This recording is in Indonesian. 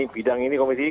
bidang ini komisi ini